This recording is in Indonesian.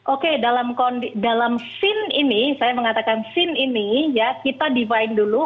oke dalam scene ini saya mengatakan scene ini ya kita define dulu